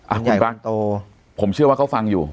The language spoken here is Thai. อ้าวคุณพลักษณ์ผมเชื่อว่าเขาฟังอยู่